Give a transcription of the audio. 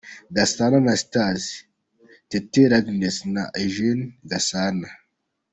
Gasana Anastase, Teteri Agnes na Eugene Gasana